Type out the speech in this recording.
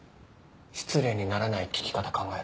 失礼にならない聞き方考えるんで。